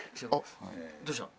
どうしたの？